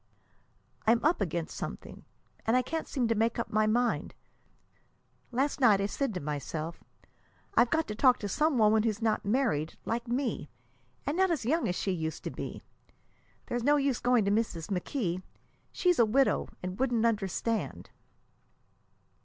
"I'm up against something, and I can't seem to make up my mind. Last night I said to myself, 'I've got to talk to some woman who's not married, like me, and not as young as she used to be. There's no use going to Mrs. McKee: she's a widow, and wouldn't understand.'"